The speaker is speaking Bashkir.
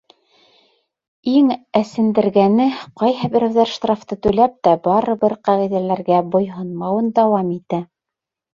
Иң әсендергәне: ҡайһы берәүҙәр штрафты түләп тә, барыбер ҡағиҙәләргә бойһонмауын дауам итә.